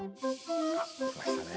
あっ来ましたね。